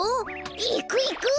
いくいく！